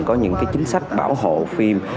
có những cái chính sách bảo hộ phim